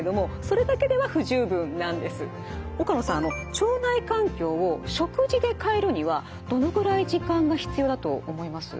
腸内環境を食事で変えるにはどのくらい時間が必要だと思います？